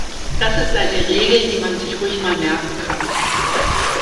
Das ist eine Regel, die man sich ruhig mal merken kann.